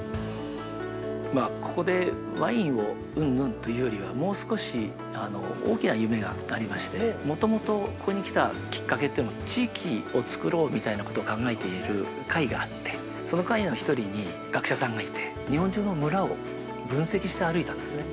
◆ここでワインを云々というよりは、もう少し大きな夢がありましてもともと、ここに来たきっかけというのは、地域をつくろうみたいなことを考えている会があってその会の１人に学者さんがいて日本中の村を分析して歩いたんですね。